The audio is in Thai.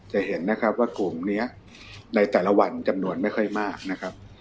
จะเห็นนะครับว่ากลุ่มนี้ในแต่ละวันจำนวนไม่ค่อยมากนะครับ